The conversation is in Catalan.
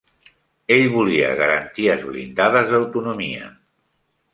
Ell volia "garanties blindades d'autonomia".